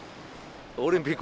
オリンピック？